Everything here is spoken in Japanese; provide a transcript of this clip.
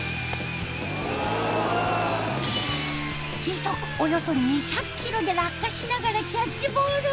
時速およそ２００キロで落下しながらキャッチボール。